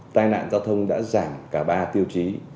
tai nạn giao thông đã giảm cả ba tiêu chí